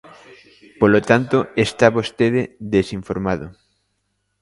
Polo tanto, está vostede desinformado.